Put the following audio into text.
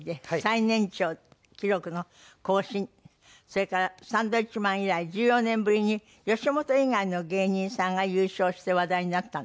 それからサンドウィッチマン以来１４年ぶりに吉本以外の芸人さんが優勝して話題になったんですってね。